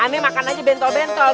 aneh makan aja bentol bentol